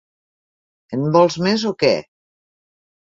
En vols més o què?